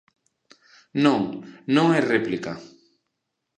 Non, non hai réplica.